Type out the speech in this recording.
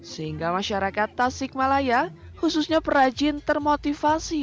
sehingga masyarakat tasik malaya khususnya peranjin termotivasi